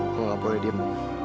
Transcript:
gue gak boleh diem